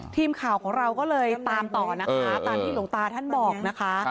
ทีมข่าวของเราก็เลยตามต่อนะคะตามที่หลวงตาท่านบอกนะคะ